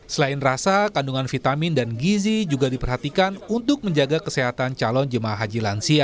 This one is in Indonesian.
selain rasa kandungan vitamin dan gizi juga diperhatikan untuk menjaga kesehatan calon jemaah haji lansia